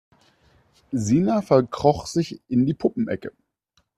Sina verkroch sich in die Puppenecke.